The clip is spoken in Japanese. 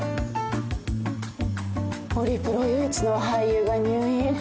オリプロ唯一の俳優が入院。